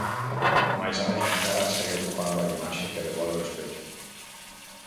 Mais a mesma cara segue ocupando a imaxe que devolve o espello.